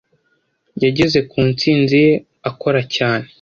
Yageze ku ntsinzi ye akora cyane.